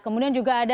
kemudian juga ada